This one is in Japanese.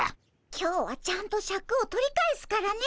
今日はちゃんとシャクを取り返すからね。